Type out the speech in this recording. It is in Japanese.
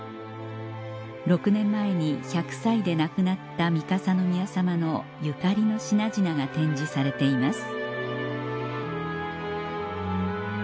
６年前に１００歳で亡くなった三笠宮さまのゆかりの品々が展示されています